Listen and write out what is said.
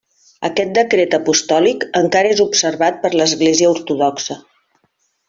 Aquest Decret Apostòlic encara és observat per l'Església Ortodoxa.